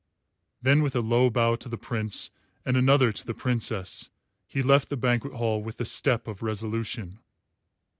Then with a low bow to the Prince and another to the Princess, he left the banquet hall with the step of resolution.